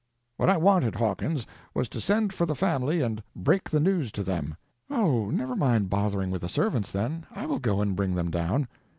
"What I wanted, Hawkins, was to send for the family and break the news to them." "O, never mind bothering with the servants, then. I will go and bring them down."